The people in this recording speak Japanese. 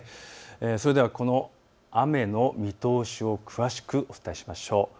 それではこの雨の見通しを詳しくお伝えしましょう。